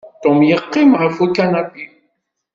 Tom yeqqim ɣef ukanapi.